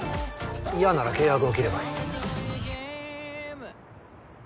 嫌なら契約を切ればいい。